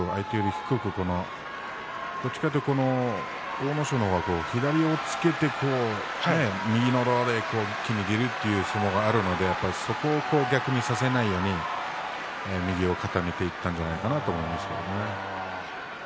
低くどっちかっていうと阿武咲の方が左を押っつけて右のど輪で出るという相撲があるのでそこを逆に差されないように豪ノ山は右を固めていったんじゃないかなと思いますね。